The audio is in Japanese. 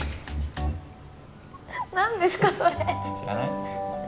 何ですかそれ知らない？